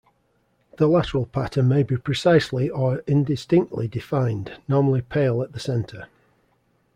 The lateral pattern may be precisely or indistinctly defined, normally pale at the center.